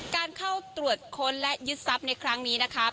การเข้าตรวจค้นและยึดทรัพย์ในครั้งนี้นะครับ